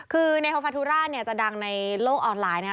คือเนโฮฟาทุราจะดังในโลกออนไลน์